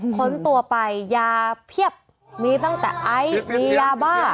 พ้นตัวไปยาเพียบมีตั้งแต่ไอซ์มียาบ้า